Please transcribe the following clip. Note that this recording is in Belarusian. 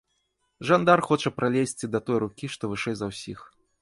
Жандар хоча пралезці да той рукі, што вышэй за ўсіх.